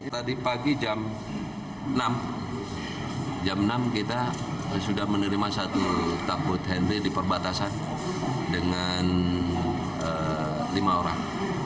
tadi pagi jam enam jam enam kita sudah menerima satu takut henry di perbatasan dengan lima orang